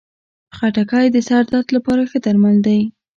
خټکی د سر درد لپاره ښه درمل دی.